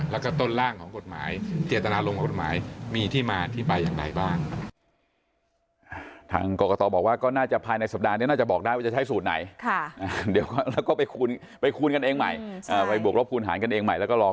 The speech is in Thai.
แล้วก็ต้นร่างของกฎหมายเจตนารมณกฎหมายมีที่มาที่ไปอย่างไรบ้าง